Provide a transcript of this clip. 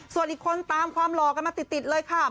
ส่วนอีกคนตามความหล่อกันมาติดเลยค่ะ